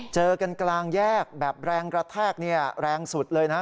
เจอกันกลางแยกแบบแรงกระแทกเนี่ยแรงสุดเลยนะ